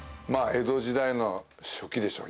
江戸時代の初期でしょう。